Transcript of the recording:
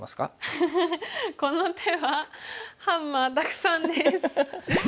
フフフこの手はハンマーたくさんです。